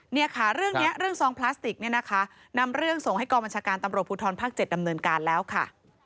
เนี่ยค่ะเรื่องนี้เรื่องซองพลาสติกเนี่ยนะคะนำเรื่องส่งให้กองบัญชาการตำรวจภูทรภาค๗ดำเนินการแล้วค่ะ